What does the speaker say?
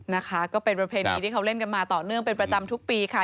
นะคะก็เป็นประเพณีที่เขาเล่นกันมาต่อเนื่องเป็นประจำทุกปีค่ะ